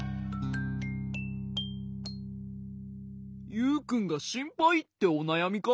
「ユウくんがしんぱい」っておなやみか。